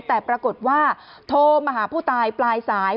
แต่ปรากฏว่าโทรมาหาผู้ตายปลายสาย